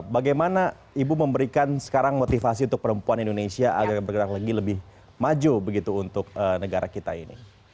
bagaimana ibu memberikan sekarang motivasi untuk perempuan indonesia agar bergerak lagi lebih maju begitu untuk negara kita ini